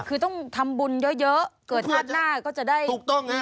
คือต้องทำบุญเยอะเกิดชาติหน้าก็จะได้